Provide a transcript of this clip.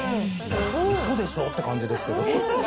うそでしょう？っていう感じですけど。